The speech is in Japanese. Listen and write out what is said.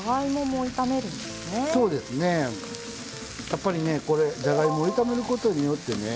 やっぱりねこれじゃがいもを炒めることによってね